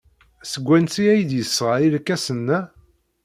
Seg wansi ay d-yesɣa irkasen-a?